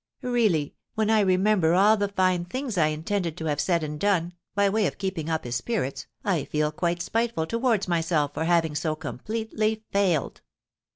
Really, when I remember all the fine things I intended to have said and done, by way of keeping up his spirits, I feel quite spiteful towards myself for having so completely failed."